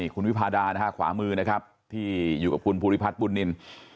คุณวิพาดานะฮะขวามือนะครับที่อยู่กับคุณภูริพัฒน์บุญนิน